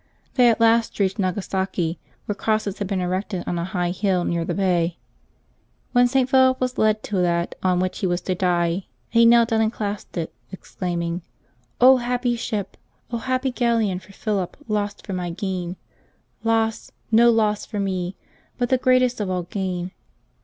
They at last reached N'agasaki, where crosses had been erected on a high hill near the bay. When St. Philip was led to that on which he was to die, he knelt down and clasped it, exclaiming: " happy ship ! happy galleon for Philip, lost for my gain! Loss — no loss for me, but the greatest of all gain